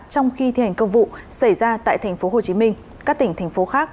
trong khi thi hành công vụ xảy ra tại tp hcm các tỉnh thành phố khác